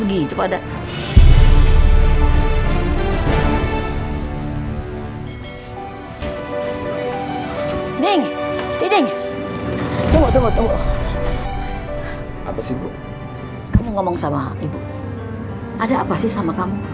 ding ding tunggu tunggu tunggu apa sih bu kamu ngomong sama ibu ada apa sih sama kamu